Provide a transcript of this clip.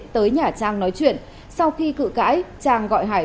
tới nhà trang nói chuyện sau khi cự cãi trang gọi hải